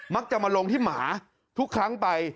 จะมาลงที่หมาทุกครั้งไป